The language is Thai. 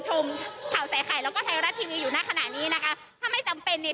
ชมข่าวใส่ไข่แล้วก็ไทยรัฐทีวีอยู่หน้าขณะนี้นะคะถ้าไม่จำเป็นเนี่ย